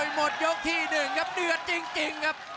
หมดยกที่๑ครับเดือดจริงครับ